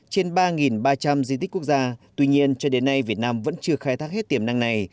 trên ba ba trăm linh di tích quốc gia tuy nhiên cho đến nay việt nam vẫn chưa khai thác hết tiềm năng này